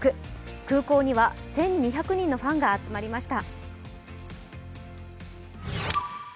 空港には１２００人のファンが集まりました。